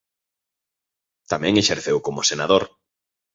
Tamén exerceu como Senador.